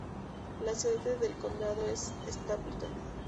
La sede del condado es Stapleton.